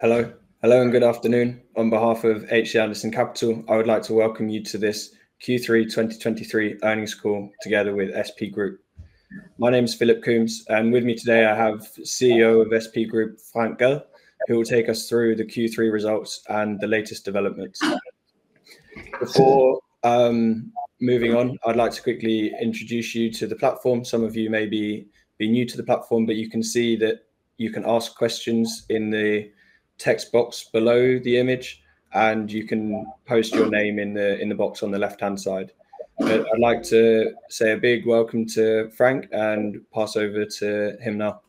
Hello. Hello, and good afternoon. On behalf of HC Andersen Capital, I would like to welcome you to this Q3 2023 earnings call together with SP Group. My name is Philip Coombes, and with me today I have CEO of SP Group, Frank Gad, who will take us through the Q3 results and the latest developments. Before moving on, I'd like to quickly introduce you to the platform. Some of you may be new to the platform, but you can see that you can ask questions in the text box below the image, and you can post your name in the box on the left-hand side. But I'd like to say a big welcome to Frank and pass over to him now.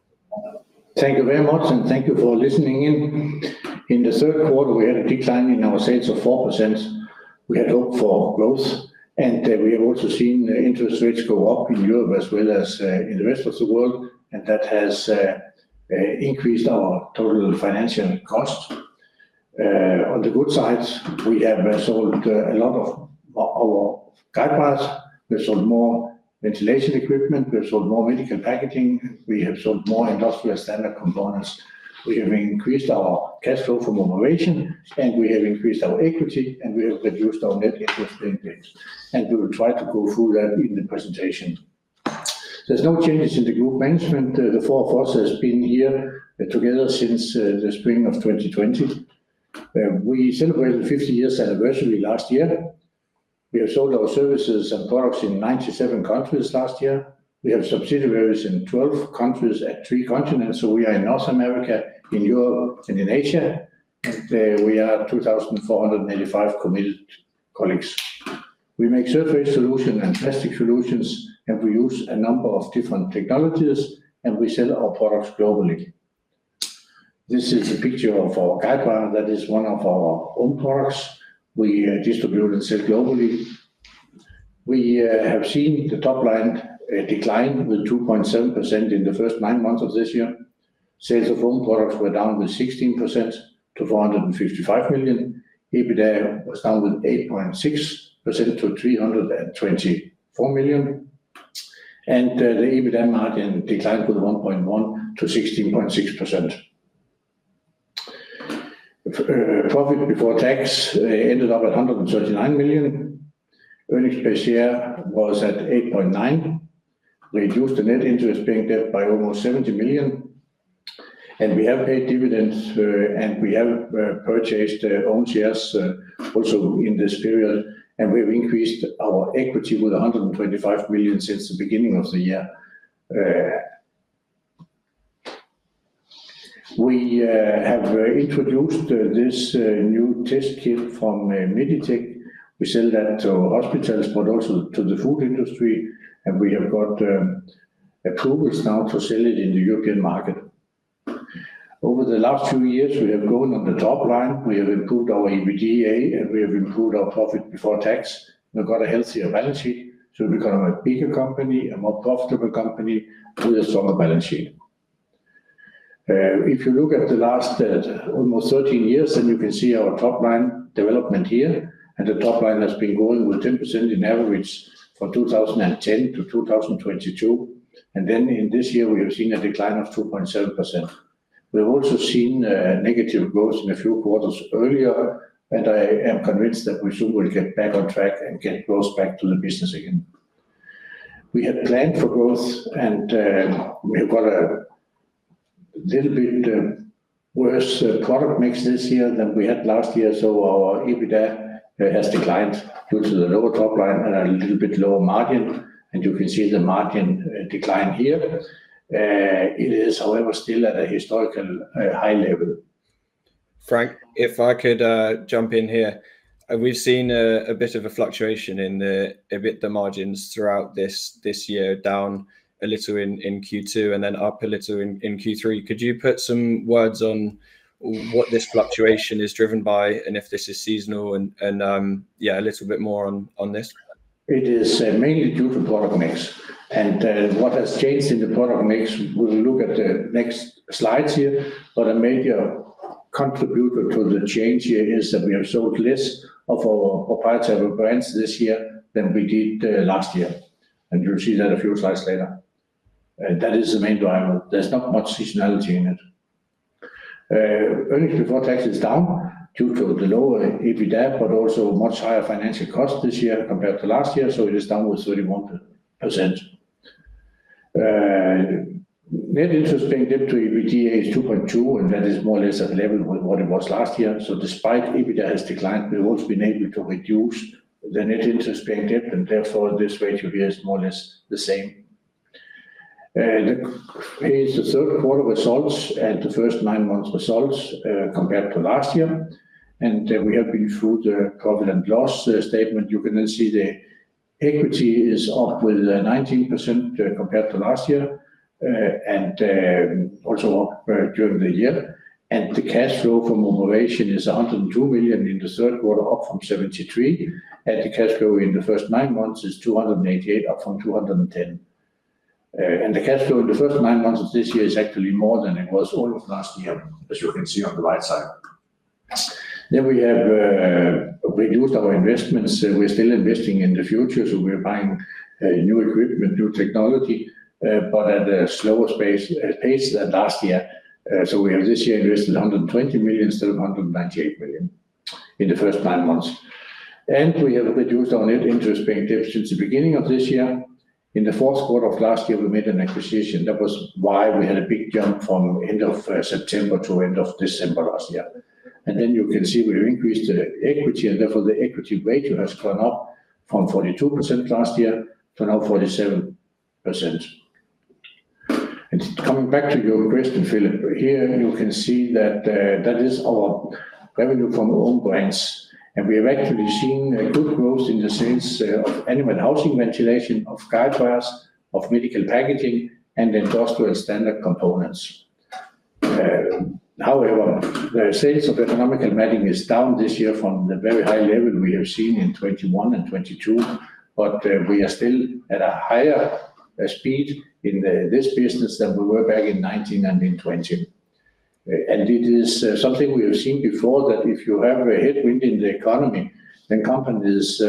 Thank you very much, and thank you for listening in. In the third quarter, we had a decline in our sales of 4%. We had hoped for growth, and we have also seen the interest rates go up in Europe as well as in the rest of the world, and that has increased our total financial cost. On the good sides, we have sold a lot of our guidewires. We have sold more ventilation equipment. We have sold more medical packaging. We have sold more industrial standard components. We have increased our cash flow from operation, and we have increased our equity, and we have reduced our net interest-bearing debt, and we will try to go through that in the presentation. There's no changes in the group management. The four of us has been here together since the spring of 2020. We celebrated 50 years anniversary last year. We have sold our services and products in 97 countries last year. We have subsidiaries in 12 countries at three continents, so we are in North America, in Europe, and in Asia, and we are 2,485 committed colleagues. We make surface solution and plastic solutions, and we use a number of different technologies, and we sell our products globally. This is a picture of our guidewire. That is one of our own products we distribute and sell globally. We have seen the top line decline with 2.7% in the first nine months of this year. Sales of own products were down with 16% to 455 million. EBITDA was down 8.6% to 324 million, and the EBITDA margin declined 1.1 to 16.6%. Profit before tax ended up at 139 million. Earnings per share was at 8.9. We reduced the net interest-bearing debt by almost 70 million, and we have paid dividends, and we have purchased our own shares also in this period, and we've increased our equity with 125 million since the beginning of the year. We have introduced this new test kit from Meditec. We sell that to hospitals, but also to the food industry, and we have got approvals now to sell it in the European market. Over the last two years, we have grown on the top line. We have improved our EBITDA, and we have improved our profit before tax. We've got a healthier balance sheet, so we've become a bigger company, a more profitable company, with a stronger balance sheet. If you look at the last almost 13 years, then you can see our top line development here, and the top line has been growing with 10% in average from 2010 to 2022, and then in this year, we have seen a decline of 2.7%. We've also seen negative growth in a few quarters earlier, and I am convinced that we soon will get back on track and get growth back to the business again. We had planned for growth, and we've got a little bit of worse product mix this year than we had last year. So, our EBITDA has declined due to the lower top line and a little bit lower margin, and you can see the margin, decline here. It is, however, still at a historical, high level. Frank, if I could jump in here. We've seen a bit of a fluctuation in the EBITDA margins throughout this year, down a little in Q2 and then up a little in Q3. Could you put some words on what this fluctuation is driven by, and if this is seasonal and yeah, a little bit more on this? It is mainly due to product mix, and what has changed in the product mix, we'll look at the next slides here, but a major contributor to the change here is that we have sold less of our private label brands this year than we did, last year, and you'll see that a few slides later. That is the main driver. There's not much seasonality in it. Earnings before tax is down due to the lower EBITDA, but also much higher financial cost this year compared to last year, so it is down with 31%. Net interest-bearing debt to EBITDA is 2.2, and that is more or less at level with what it was last year. So, despite EBITDA has declined, we've also been able to reduce the net interest-bearing debt, and therefore, this ratio is more or less the same. Here is the third quarter results and the first nine months results, compared to last year, and we have been through the profit and loss statement. You can then see the equity is up with 19%, compared to last year, and also up during the year. And the cash flow from operation is 102 million in the third quarter, up from 73 million, and the cash flow in the first nine months is 288 million, up from 210 million. And the cash flow in the first nine months of this year is actually more than it was all of last year, as you can see on the right side. Then we have reduced our investments. We're still investing in the future, so we're buying new equipment, new technology, but at a slower pace than last year. So, we have this year invested 120 million instead of 198 million in the first nine months. We have reduced our net interest-bearing debt since the beginning of this year. In the fourth quarter of last year, we made an acquisition. That was why we had a big jump from end of September to end of December last year. Then you can see we increased the equity, and therefore the equity ratio has gone up from 42% last year to now 47%. Coming back to your question, Philip, here you can see that is our revenue from our own brands, and we have actually seen a good growth in the sales of animal housing ventilation, guidewires, of medical packaging, and industrial standard components. However, the sales of ergonomic matting is down this year from the very high level we have seen in 2021 and 2022, but we are still at a higher speed in this business than we were back in 2019 and in 2020. And it is something we have seen before, that if you have a headwind in the economy, then companies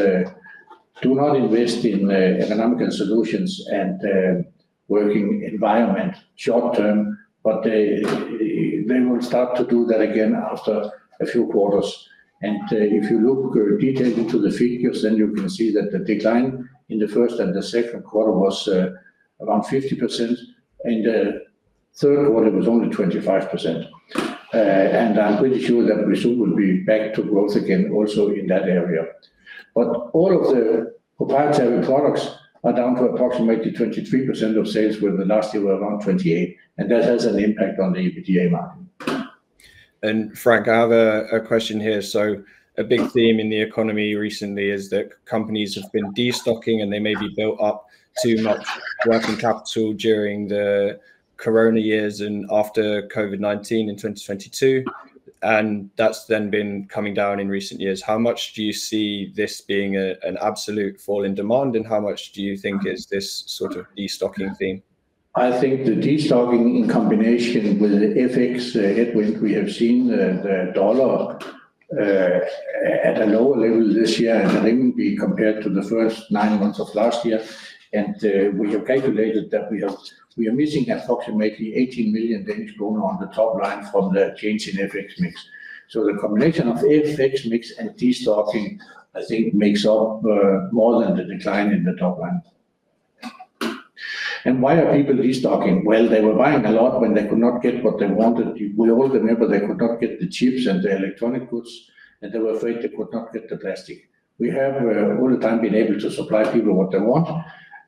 do not invest in ergonomic solutions and working environment short term, but they will start to do that again after a few quarters. And, if you look detailed into the figures, then you can see that the decline in the first and the second quarter was, around 50%, in the third quarter was only 25%. And I'm pretty sure that we soon will be back to growth again also in that area. But all of the proprietary products are down to approximately 23% of sales, where the last year were around 28, and that has an impact on the EBITDA margin. Frank, I have a question here. A big theme in the economy recently is that companies have been destocking, and they maybe built up too much working capital during the corona years and after COVID-19 in 2022, and that's then been coming down in recent years. How much do you see this being an absolute fall in demand, and how much do you think is this sort of destocking theme? I think the destocking, in combination with the FX headwind, we have seen the dollar at a lower level this year in DKK compared to the first nine months of last year. We have calculated that we are missing approximately 18 million Danish kroner on the top line from the change in FX mix. The combination of FX mix and destocking, I think, makes up more than the decline in the top line. Why are people destocking? Well, they were buying a lot when they could not get what they wanted. We all remember they could not get the chips and the electronic goods, and they were afraid they could not get the plastic. We have all the time been able to supply people what they want,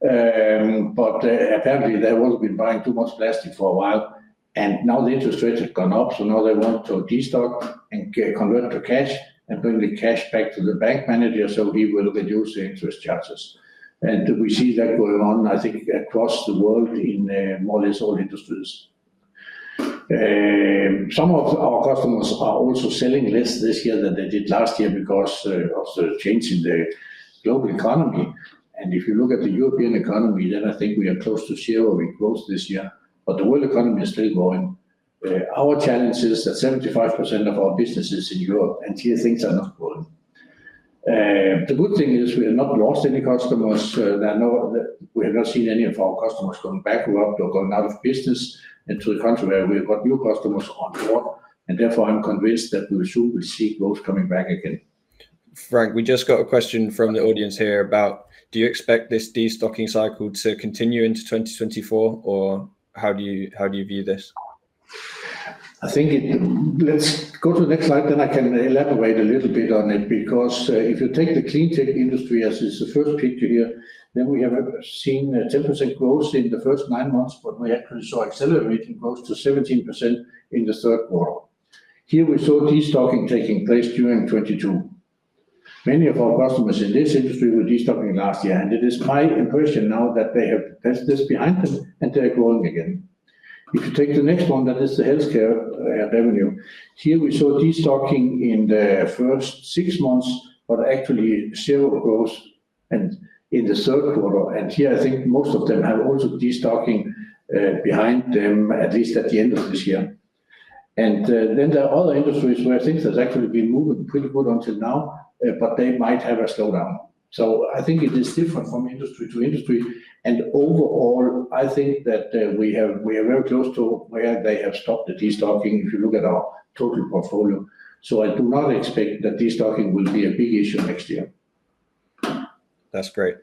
but apparently they all have been buying too much plastic for a while, and now the interest rates have gone up, so now they want to destock and convert to cash, and bring the cash back to the bank manager, so he will reduce the interest charges. We see that going on, I think, across the world in more or less all industries. Some of our customers are also selling less this year than they did last year because of the change in the global economy. If you look at the European economy, then I think we are close to zero in growth this year, but the world economy is still growing. Our challenge is that 75% of our business is in Europe, and here things are not growing. The good thing is we have not lost any customers. I know that we have not seen any of our customers going bankrupt or going out of business. And to the contrary, we've got new customers on board, and therefore, I'm convinced that we soon will see growth coming back again. Frank, we just got a question from the audience here about, do you expect this destocking cycle to continue into 2024, or how do you view this? I think- let's go to the next slide, then I can elaborate a little bit on it. Because if you take the CleanTech industry, as is the first picture here, then we have seen a 10% growth in the first nine months, but we actually saw accelerating growth to 17% in the third quarter. Here we saw destocking taking place during 2022. Many of our customers in this industry were destocking last year, and it is my impression now that they have this behind them, and they are growing again. If you take the next one, that is the healthcare revenue. Here we saw destocking in the first six months, but actually zero growth in the third quarter. And here, I think most of them have also destocking behind them, at least at the end of this year. There are other industries where things has actually been moving pretty good until now, but they might have a slowdown. I think it is different from industry to industry, and overall, I think that we are very close to where they have stopped the destocking if you look at our total portfolio. I do not expect that destocking will be a big issue next year. That's great.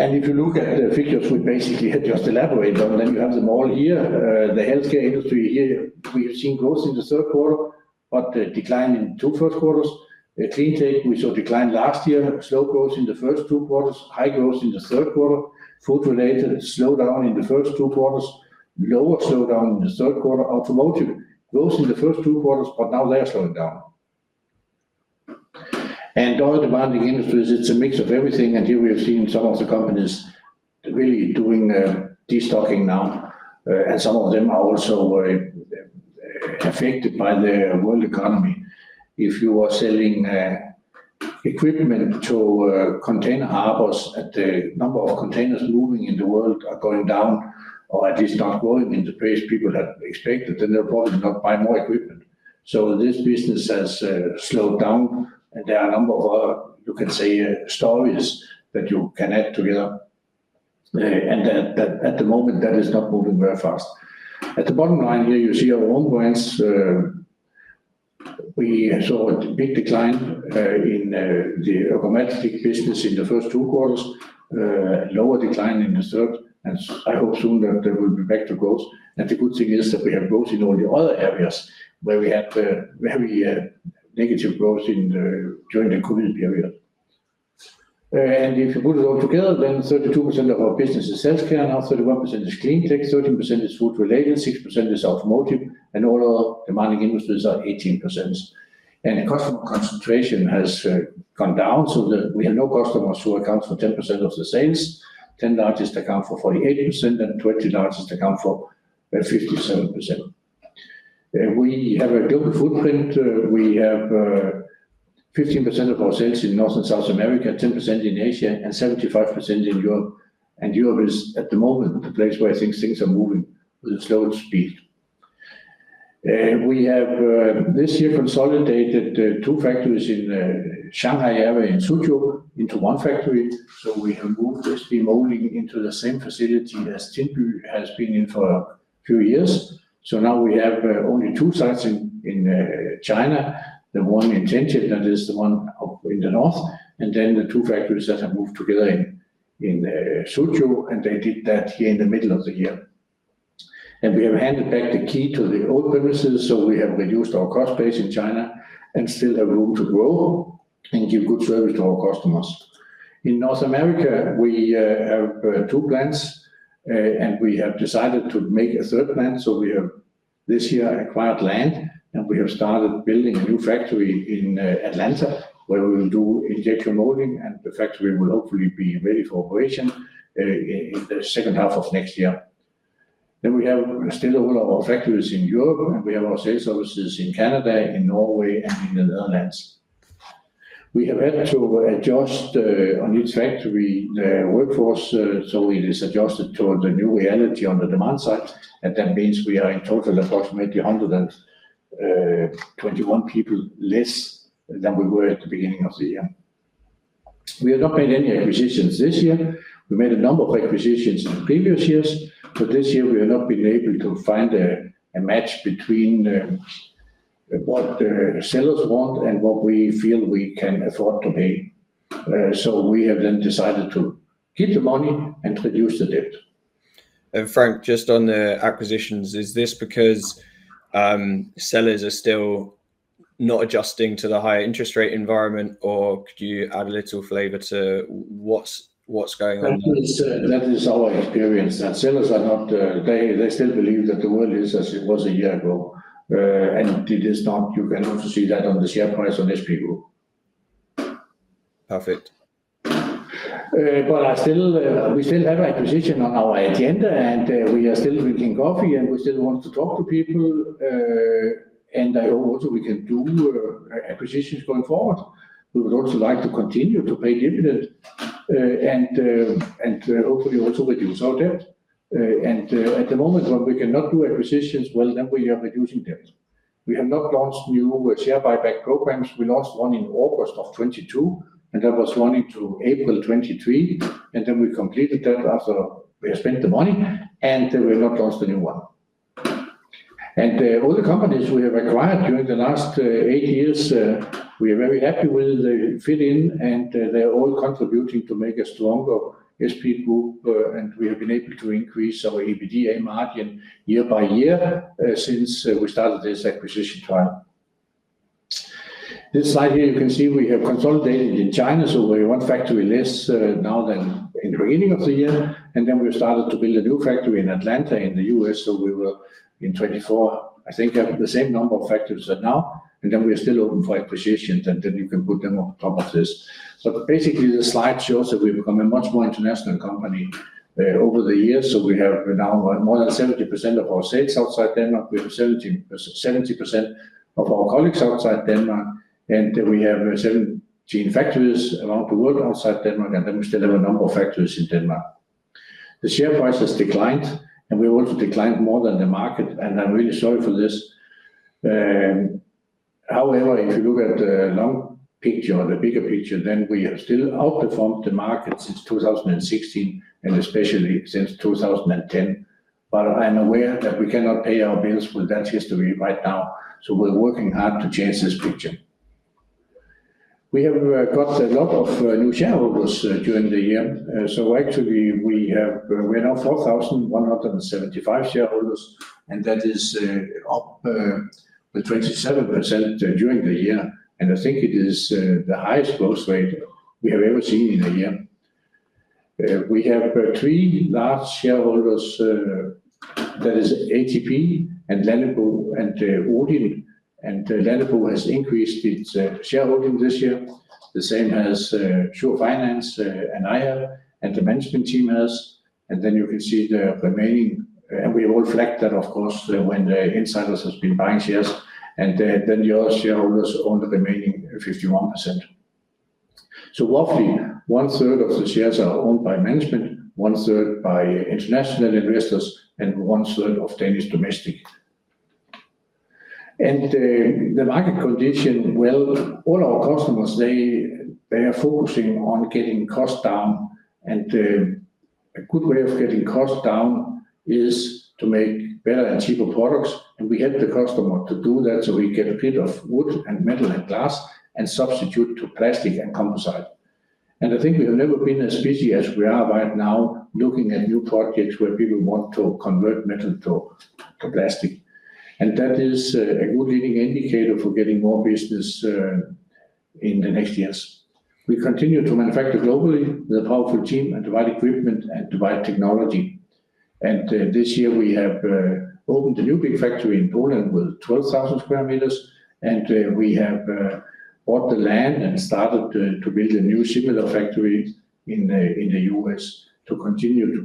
And if you look at the figures we basically had just elaborated on, then you have them all here. The healthcare industry here, we have seen growth in the third quarter, but a decline in two first quarters. The clean tech, we saw decline last year, slow growth in the first two quarters, high growth in the third quarter. Food related, slowdown in the first two quarters, lower slowdown in the third quarter. Automotive, growth in the first two quarters, but now they are slowing down. And all demanding industries, it's a mix of everything, and here we have seen some of the companies really doing destocking now, and some of them are also very affected by the world economy. If you are selling equipment to container harbors, and the number of containers moving in the world are going down, or at least not going into pace people had expected, then they're probably not buy more equipment. So this business has slowed down, and there are a number of, you can say, stories that you connect together. And at the moment, that is not moving very fast. At the bottom line here, you see our own brands, we saw a big decline in the automatic business in the first two quarters, lower decline in the third, and I hope soon that there will be back to growth. And the good thing is that we have growth in all the other areas, where we had very negative growth during the COVID period. And if you put it all together, then 32% of our business is Healthcare, now 31% is Cleantech, 13% is Food-related, 6% is Automotive, and all other demanding industries are 18% and customer concentration has gone down so that we have no customers who account for 10% of the sales. 10 largest accounts for 48%, and 20 largest accounts for 57%. We have a good footprint. We have 15% of our sales in North and South America, 10% in Asia, and 75% in Europe. Europe is, at the moment, the place where I think things are moving with a slow speed. We have this year consolidated two factories in Shanghai area, in Suzhou, into one factory. So we have moved the molding into the same facility as Tinby has been in for a few years. So now we have only two sites in China, the one in Shenzhen, that is the one up in the north, and then the two factories that have moved together in Suzhou, and they did that here in the middle of the year. And we have handed back the key to the old premises, so we have reduced our cost base in China, and still have room to grow and give good service to our customers. In North America, we have two plants, and we have decided to make a third plant. So we have this year acquired land, and we have started building a new factory in Atlanta, where we will do injection molding, and the factory will hopefully be ready for operation in the second half of next year. Then we have still all of our factories in Europe, and we have our sales services in Canada, in Norway, and in the Netherlands. We have had to adjust on each factory the workforce, so it is adjusted toward the new reality on the demand side, and that means we are in total approximately 121 people less than we were at the beginning of the year. We have not made any acquisitions this year. We made a number of acquisitions in previous years, but this year we have not been able to find a match between what the sellers want and what we feel we can afford to pay. So, we have then decided to keep the money and reduce the debt. Frank, just on the acquisitions, is this because sellers are still not adjusting to the higher interest rate environment? Or could you add a little flavor to what's going on? That is our experience, that sellers are not. They still believe that the world is as it was a year ago, and it is not. You can also see that on the share price on SP Group. Perfect. But I still, we still have acquisition on our agenda, and we are still drinking coffee, and we still want to talk to people, and I hope also we can do acquisitions going forward. We would also like to continue to pay dividends, and hopefully also reduce our debt. At the moment, when we cannot do acquisitions, well, then we are reducing debt. We have not launched new share buyback programs. We launched one in August of 2022, and that was running to April 2023, and then we completed that after we had spent the money, and we have launched a new one. All the companies we have acquired during the last eight years, we are very happy with. They fit in, and, they're all contributing to make a stronger SP Group, and we have been able to increase our EBITDA margin year-by-year since we started this acquisition trail. This slide here, you can see we have consolidated in China, so we're one factory less, now than in the beginning of the year. Then we've started to build a new factory in Atlanta, in the U.S., so we will, in 2024, I think, have the same number of factories that now, and then we are still open for acquisitions, and then you can put them on top of this. So basically, the slide shows that we've become a much more international company, over the years. So we have now more than 70% of our sales outside Denmark. We have 70% of our colleagues outside Denmark, and we have 17 factories around the world, outside Denmark, and then we still have a number of factories in Denmark. The share price has declined, and we also declined more than the market, and I'm really sorry for this. However, if you look at the long picture or the bigger picture, then we have still outperformed the market since 2016, and especially since 2010. But I'm aware that we cannot pay our bills with that history right now, so we're working hard to change this picture. We have got a lot of new shareholders during the year. So actually, we have, we are now 4,175 shareholders, and that is up 27% during the year, and I think it is the highest growth rate we have ever seen in a year. We have three large shareholders, that is ATP, and Lannebo, and ODIN, and Lannebo has increased its shareholding this year. The same as Schur Finance, and I have, and the management team has. Then you can see the remaining, and we all reflect that, of course, when the insiders has been buying shares, and then the other shareholders own the remaining 51%. So roughly, 1/3 of the shares are owned by management, 1/3 by international investors, and 1/3 of Danish domestic. The market condition, well, all our customers, they, they are focusing on getting costs down, and a good way of getting costs down is to make better and cheaper products, and we help the customer to do that. So we get rid of wood, and metal, and glass, and substitute to plastic and composite. I think we have never been as busy as we are right now, looking at new projects where people want to convert metal to plastic. That is a good leading indicator for getting more business in the next years. We continue to manufacture globally with a powerful team, and provide equipment, and provide technology. This year we have opened a new big factory in Poland with 12,000 square meters, and we have bought the land and started to build a new similar factory in the U.S. to continue to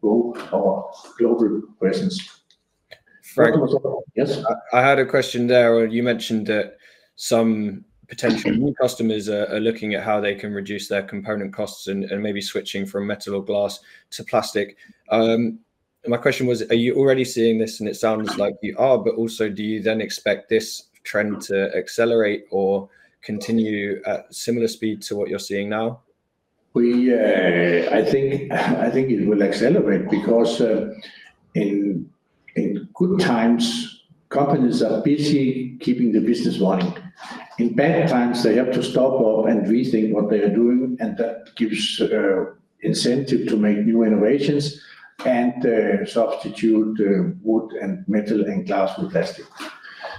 build our global presence. Frank? Yes. I had a question there, where you mentioned that some potential- Mm-hmm... new customers are looking at how they can reduce their component costs and maybe switching from metal or glass to plastic. My question was, are you already seeing this? It sounds like you are, but also, do you then expect this trend to accelerate or continue at similar speed to what you're seeing now? We, I think it will accelerate, because, in good times, companies are busy keeping the business running. In bad times, they have to stop off and rethink what they are doing, and that gives incentive to make new innovations, and substitute wood, and metal, and glass with plastic.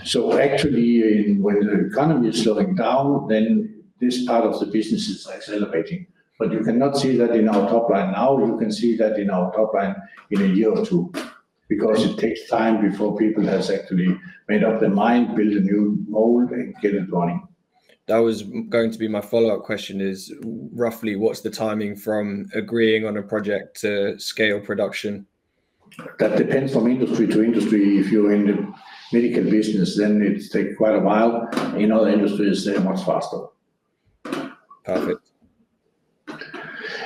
So actually, when the economy is slowing down, then this part of the business is accelerating but you cannot see that in our top line now, you can see that in our top line in a year or two, because it takes time before people has actually made up their mind, build a new mold, and get it running. That was going to be my follow-up question, is roughly, what's the timing from agreeing on a project to scale production? That depends from industry to industry. If you're in the medical business, then it takes quite a while. In other industries, they're much faster. Perfect.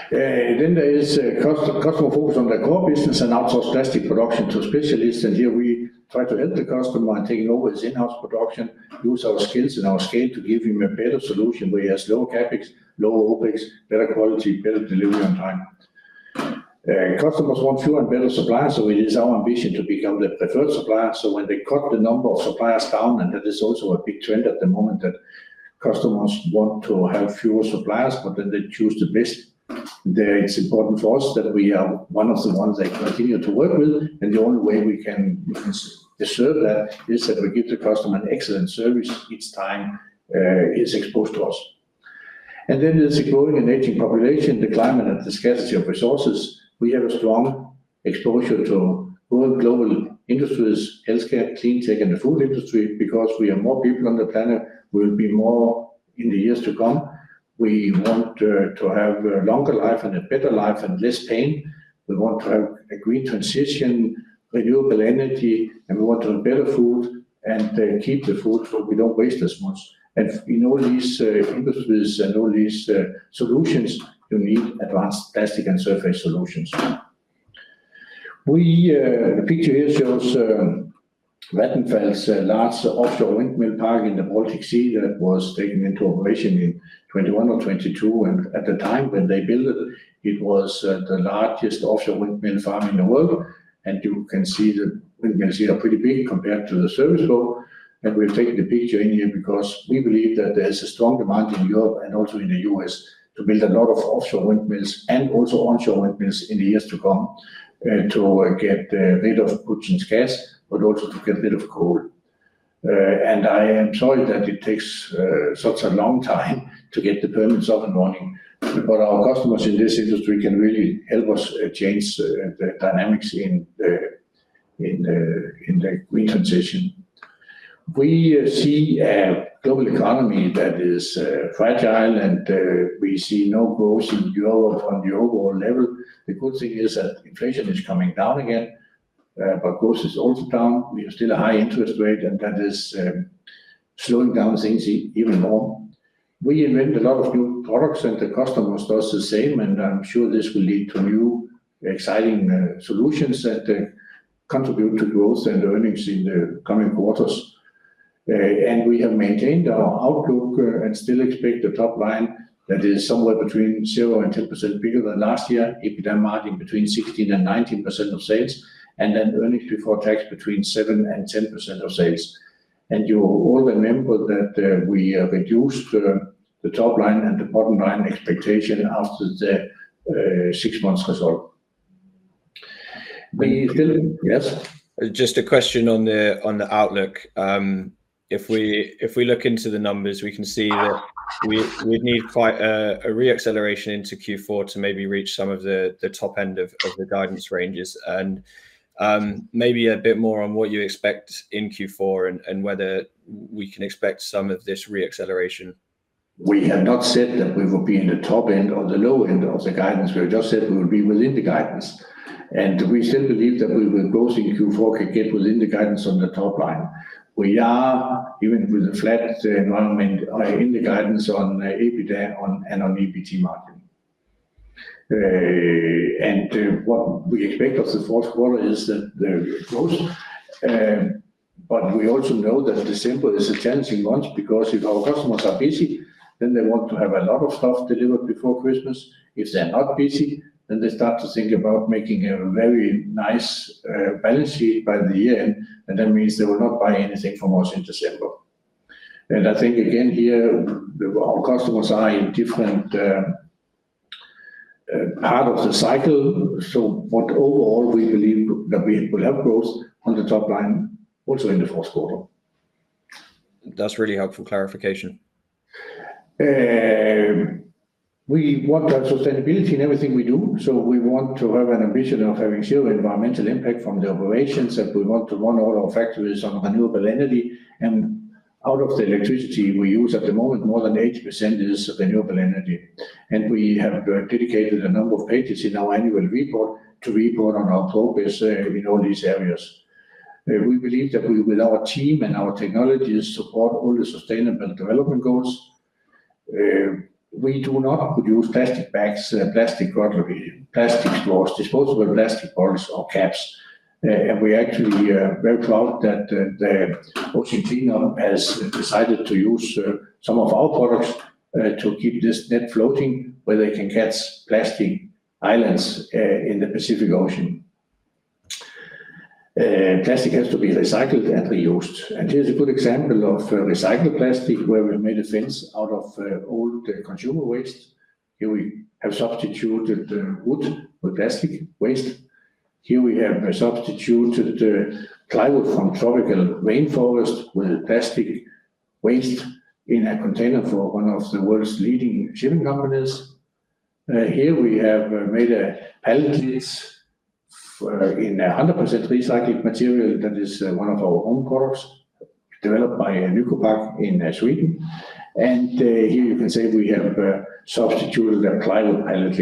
Then there is a customer focus on the core business and outsource plastic production to specialists, and here we try to help the customer and take over his in-house production, use our skills and our scale to give him a better solution, where he has lower CapEx, lower OpEx, better quality, better delivery on time. Customers want fewer and better suppliers, so it is our ambition to become the preferred supplier. So when they cut the number of suppliers down, and that is also a big trend at the moment, that customers want to have fewer suppliers, but then they choose the best. There, it's important for us that we are one of the ones they continue to work with, and the only way we can assure that, is that we give the customer an excellent service each time, he's exposed to us. Then there's a growing and aging population, the climate and the scarcity of resources. We have a strong exposure to world global industries, healthcare, clean tech, and the food industry, because we are more people on the planet. We'll be more in the years to come. We want to have a longer life, and a better life, and less pain. We want to have a green transition, renewable energy, and we want to have better food, and keep the food, so we don't waste as much and in all these industries and all these solutions, you need advanced plastic and surface solutions. The picture here shows Vattenfall's large offshore windmill park in the Baltic Sea, that was taken into operation in 2021 or 2022, and at the time when they built it, it was the largest offshore windmill farm in the world and you can see the windmills are pretty big compared to the service boat, and we've taken the picture in here, because we believe that there's a strong demand in Europe and also in the U.S. to build a lot of offshore windmills and also onshore windmills in the years to come, to get rid of Putin's gas, but also to get rid of coal. And I am sorry that it takes such a long time to get the permits up and running, but our customers in this industry can really help us change the dynamics in the green transition. We see a global economy that is fragile, and we see no growth in Europe on the overall level. The good thing is that inflation is coming down again, but growth is also down. We are still at high interest rate, and that is slowing down things even more. We invent a lot of new products, and the customers does the same, and I'm sure this will lead to new exciting solutions that contribute to growth and earnings in the coming quarters. And we have maintained our outlook and still expect a top line that is somewhere between 0% and 2% bigger than last year. EBITDA margin between 16% and 19% of sales, and then earnings before tax between 7% and 10% of sales. And you all remember that we reduced the top line and the bottom line expectation after the six months result. We still... Yes? Just a question on the outlook. If we look into the numbers, we can see that we'd need quite a re-acceleration into Q4 to maybe reach some of the top end of the guidance ranges. And, maybe a bit more on what you expect in Q4 and whether we can expect some of this re-acceleration? We have not said that we will be in the top end or the low end of the guidance. We have just said we will be within the guidance, and we still believe that we will, in Q4, can get within the guidance on the top line. We are, even with a flat environment, in the guidance on EBITDA and on EBT margin. What we expect of the fourth quarter is that the growth, but we also know that December is a challenging month, because if our customers are busy, then they want to have a lot of stuff delivered before Christmas. If they're not busy, then they start to think about making a very nice, balance sheet by the end, and that means they will not buy anything from us in December. I think again here, our customers are in different part of the cycle. So, but overall, we believe that we will have growth on the top line also in the fourth quarter. That's really helpful clarification. We want to have sustainability in everything we do. So we want to have an ambition of having zero environmental impact from the operations, and we want to run all our factories on renewable energy and out of the electricity we use at the moment, more than 80% is renewable energy, and we have dedicated a number of pages in our annual report to report on our progress in all these areas. We believe that we, with our team and our technologies, support all the sustainable development goals. We do not produce plastic bags, plastic cutlery, plastic straws, disposable plastic bottles or caps. And we are actually very proud that The Ocean Cleanup has decided to use some of our products to keep this net floating, where they can catch plastic islands in the Pacific Ocean. Plastic has to be recycled and reused, and here's a good example of recycled plastic, where we made a fence out of old consumer waste. Here we have substituted wood with plastic waste. Here we have substituted the plywood from tropical rainforest with plastic waste in a container for one of the world's leading shipping companies. Here we have made a pallet case in 100% recycled material that is one of our own products developed by Nycopac in Sweden. Here you can see we have substituted a plywood pallet.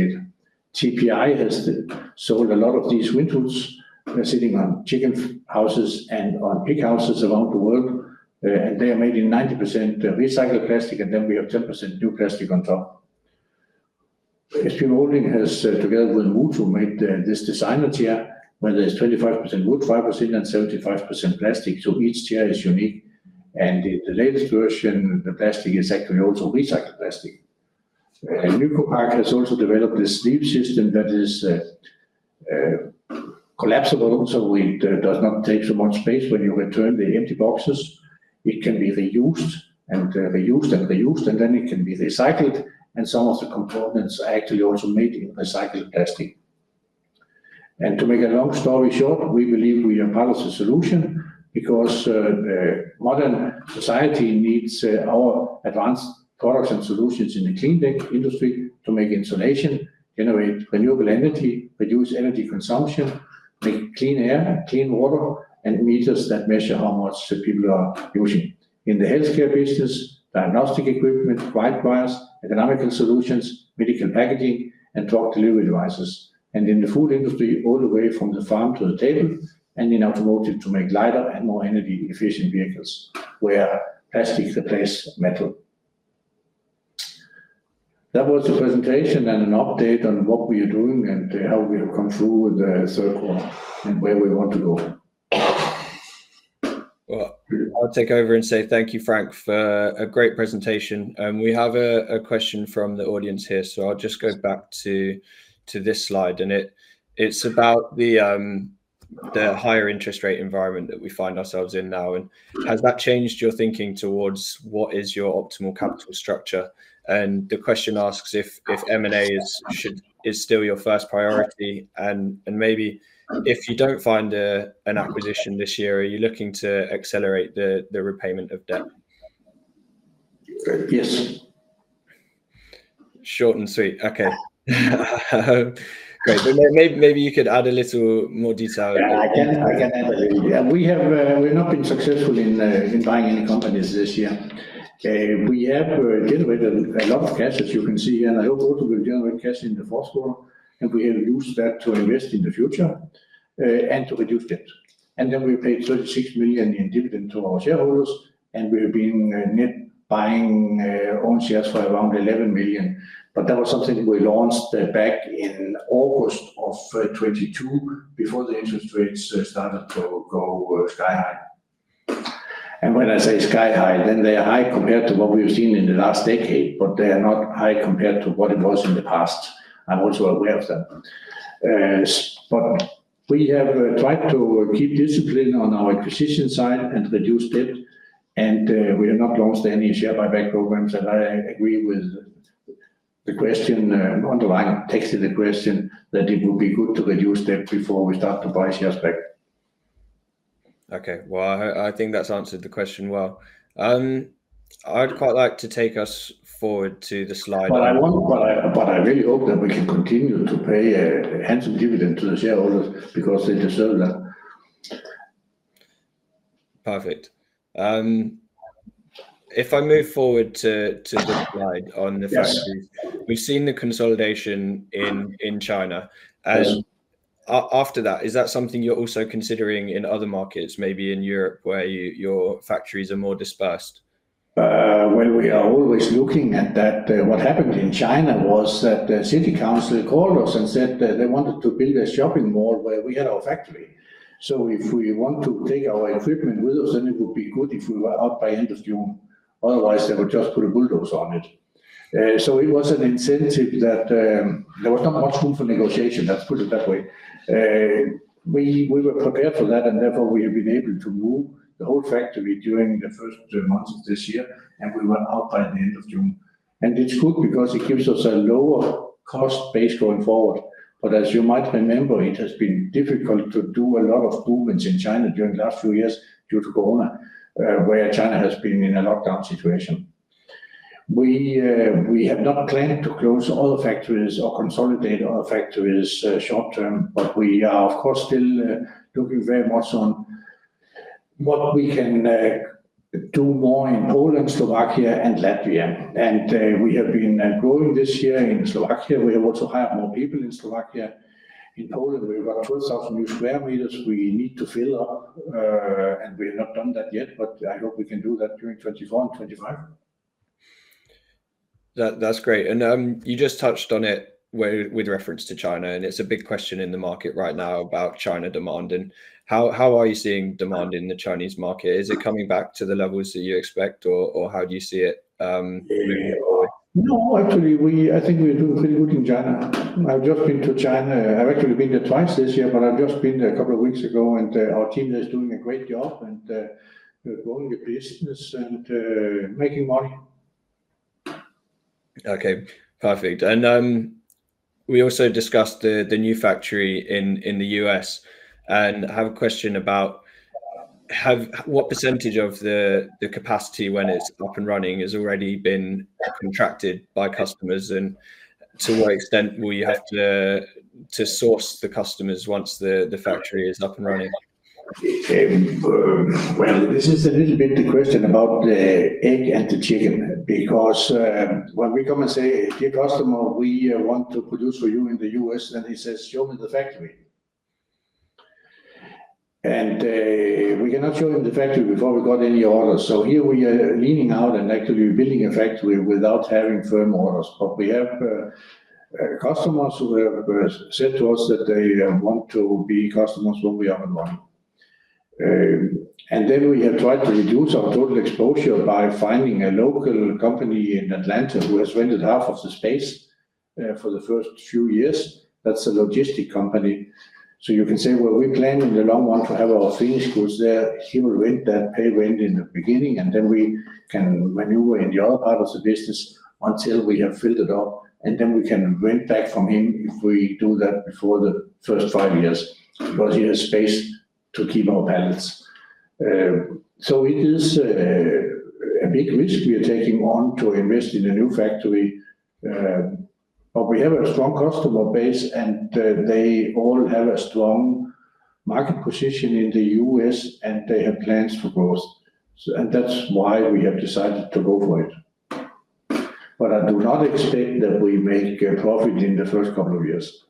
TPI has sold a lot of these wind shields. They're sitting on chicken houses and on pig houses around the world, and they are made in 90% recycled plastic, and then we have 10% new plastic on top. SP Moulding has together with Muuto made this designer chair, where there's 25% wood fibers in and 75% plastic, so each chair is unique and the latest version, the plastic is actually also recycled plastic. Nycopac has also developed this sleeve system that is collapsible, so it does not take so much space when you return the empty boxes. It can be reused, and reused, and reused, and then it can be recycled, and some of the components are actually also made in recycled plastic. And to make a long story short, we believe we are part of the solution because modern society needs our advanced products and solutions in the clean tech industry to make insulation, generate renewable energy, reduce energy consumption, make clean air, clean water, and meters that measure how much the people are using. In the healthcare business, diagnostic equipment, white goods, ergonomical solutions, medical packaging, and drug delivery devices. And in the food industry, all the way from the farm to the table, and in automotive to make lighter and more energy-efficient vehicles, where plastic replace metal. That was the presentation and an update on what we are doing and how we have come through the third quarter, and where we want to go. Well, I'll take over and say thank you, Frank, for a great presentation. We have a question from the audience here, so I'll just go back to this slide, and it's about the higher interest rate environment that we find ourselves in now. Has that changed your thinking towards what is your optimal capital structure? The question asks if M&A is still your first priority, and maybe if you don't find an acquisition this year, are you looking to accelerate the repayment of debt? Yes. Short and sweet. Okay. Great, but maybe you could add a little more detail. Yeah, I can add a little. We've not been successful in, in buying any companies this year. We have generated a lot of cash, as you can see, and I hope also we'll generate cash in the fourth quarter, and we will use that to invest in the future, and to reduce debt, and then we paid 36 million in dividend to our shareholders, and we've been net buying own shares for around 11 million. But that was something we launched back in August of 2022, before the interest rates started to go sky high, and when I say sky high, then they are high compared to what we've seen in the last decade, but they are not high compared to what it was in the past. I'm also aware of that. But we have tried to keep discipline on our acquisition side and reduce debt, and we have not launched any share buyback programs. I agree with the question, the underlying text of the question, that it would be good to reduce debt before we start to buy shares back. Okay, well, I think that's answered the question well. I'd quite like to take us forward to the slide- But I really hope that we can continue to pay a handsome dividend to the shareholders, because they deserve that. Perfect. If I move forward to the slide on the factories. We've seen the consolidation in China. After that, is that something you're also considering in other markets, maybe in Europe, where your factories are more dispersed? Well, we are always looking at that. What happened in China was that the City Council called us and said that they wanted to build a shopping mall where we had our factory. So if we want to take our equipment with us, then it would be good if we were out by end of June, otherwise they would just put a bulldozer on it. So it was an incentive that there was not much room for negotiation, let's put it that way. We were prepared for that, and therefore, we have been able to move the whole factory during the first three months of this year, and we were out by the end of June. It's good because it gives us a lower cost base going forward. But as you might remember, it has been difficult to do a lot of movements in China during the last few years due to COVID, where China has been in a lockdown situation. We, we have not planned to close other factories or consolidate other factories, short term, but we are, of course, still, looking very much on what we can, do more in Poland, Slovakia, and Latvia. And, we have been, growing this year in Slovakia. We have also hired more people in Slovakia. In Poland, we've got 2,000 new square meters we need to fill up, and we have not done that yet, but I hope we can do that during 2024 and 2025. That, that's great. You just touched on it with reference to China, and it's a big question in the market right now about China demand. How are you seeing demand in the Chinese market? Is it coming back to the levels that you expect, or how do you see it moving forward? No, actually, I think we're doing pretty good in China. I've just been to China. I've actually been there twice this year, but I've just been there a couple of weeks ago, and our team there is doing a great job, and we're growing the business and making money. Okay, perfect. We also discussed the new factory in the U.S., and I have a question about what percentage of the capacity when it's up and running has already been contracted by customers? To what extent will you have to source the customers once the factory is up and running? Well, this is a little bit the question about the egg and the chicken, because when we come and say, "Dear customer, we want to produce for you in the U.S.," then he says, "Show me the factory." And we cannot show him the factory before we got any orders. So here we are leaning out and actually building a factory without having firm orders. But we have customers who have said to us that they want to be customers when we are online. And then we have tried to reduce our total exposure by finding a local company in Atlanta who has rented half of the space for the first few years. That's a logistics company. So you can say, well, we plan in the long run to have our finished goods there. He will rent that pay rent in the beginning, and then we can maneuver in the other part of the business until we have filled it up, and then we can rent back from him if we do that before the first five years, but he has space to keep our balance. So, it is a big risk we are taking on to invest in a new factory. But we have a strong customer base, and they all have a strong market position in the U.S., and they have plans for growth. So. And that's why we have decided to go for it. But I do not expect that we make a profit in the first couple of years.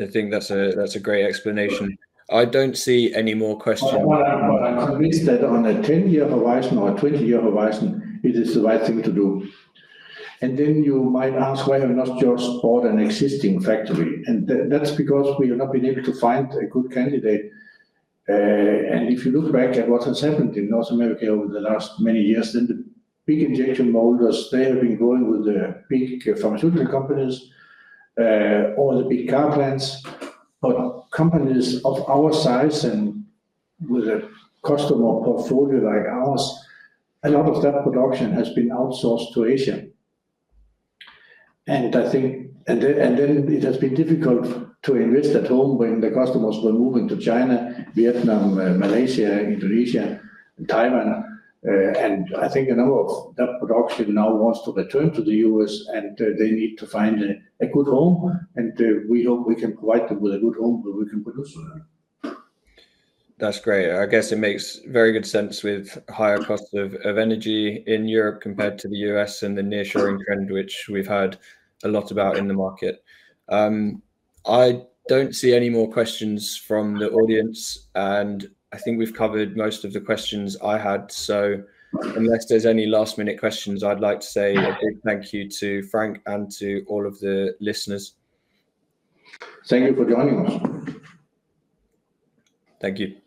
I think that's a great explanation. I don't see any more questions. But I'm convinced that on a 10-year horizon or a 20-year horizon, it is the right thing to do. And then you might ask, why have you not just bought an existing factory? And that's because we have not been able to find a good candidate. If you look back at what has happened in North America over the last many years, then the big injection molders, they have been going with the big pharmaceutical companies, or the big car plants. But companies of our size and with a customer portfolio like ours, a lot of that production has been outsourced to Asia. I think—and then it has been difficult to invest at home when the customers were moving to China, Vietnam, Malaysia, Indonesia, and Taiwan. I think a lot of that production now wants to return to the U.S., and they need to find a good home, and we hope we can provide them with a good home, where we can produce for them. That's great. I guess it makes very good sense with higher costs of energy in Europe compared to the U.S. and the nearshoring trend, which we've heard a lot about in the market. I don't see any more questions from the audience, and I think we've covered most of the questions I had. So unless there's any last-minute questions, I'd like to say a big thank you to Frank and to all of the listeners. Thank you for joining us. Thank you.